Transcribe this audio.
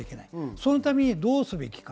そのためにどうすべきか。